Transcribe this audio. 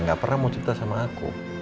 gak pernah mau cerita sama aku